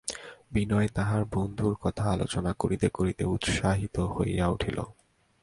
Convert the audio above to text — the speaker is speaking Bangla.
বিনয় তাহার বন্ধুর কথা আলোচনা করিতে করিতে উৎসাহিত হইয়া উঠিল।